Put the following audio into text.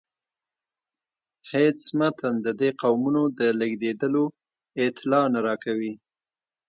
هیڅ متن د دې قومونو د لیږدیدلو اطلاع نه راکوي.